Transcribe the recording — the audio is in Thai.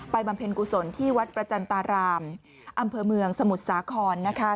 ไปบรรเภนกุศลที่วัดประจันตารามอำเภอเมืองสมุดสาขรนะคะ